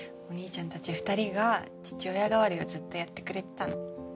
お兄ちゃんたち２人が父親代わりをずっとやってくれてたの。